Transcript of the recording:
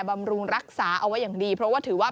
บำรุงรักษาเอาไว้อย่างดีเพราะว่าถือว่า